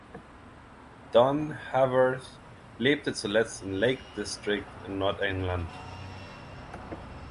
Don Haworth lebte zuletzt im Lake District in Nordengland.